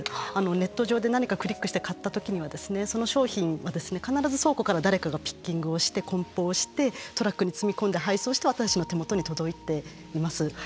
ネット上で何かクリックして買った時はその商品は必ず倉庫から誰かがピッキングをしてこん包してトラックに積み込んで配送して私たちの手元に届いています。